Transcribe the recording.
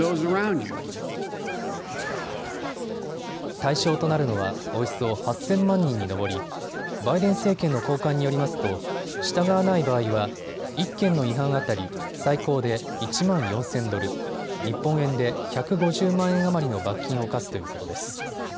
対象となるのはおよそ８０００万人に上り、バイデン政権の高官によりますと従わない場合は１件の違反当たり最高で１万４０００ドル、日本円で１５０万円余りの罰金を科すということです。